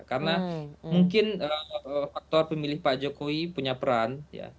karena mungkin faktor pemilih pak jokowi punya peran